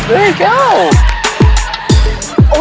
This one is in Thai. เฮ้ยเกี๊ยว